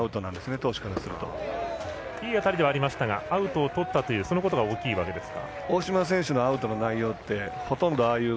投手からするといい当たりでしたがアウトをとったということが大きいわけですか。